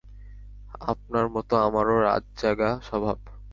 আপনার মতো আমারো রাত জাগা স্বভাব।